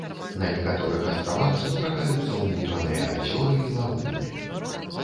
На некаторых астравах сустракаюцца ўнутраныя азёры і лагуны.